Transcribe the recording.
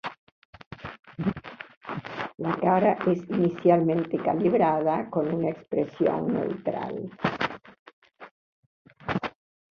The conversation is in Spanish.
La cara es inicialmente calibrada con una expresión neutral.